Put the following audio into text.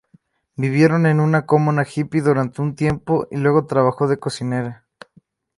Vivieron en una comuna hippie durante un tiempo y luego trabajó de cocinera.